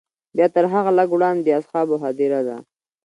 بیا تر هغه لږ وړاندې د اصحابو هدیره ده.